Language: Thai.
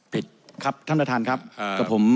ผิดครับท่านประธานครับกับผม